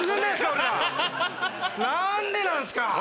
俺ら何でなんすか？